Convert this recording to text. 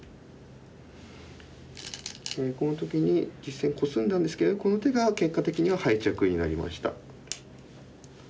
この時に実戦コスんだんですけどこの手が結果的には敗着になりました。